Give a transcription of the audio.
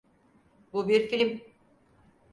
Bu bir film.